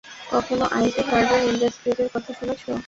কখনও I G Farben ইন্ডাস্ট্রিজের কথা শুনেছ?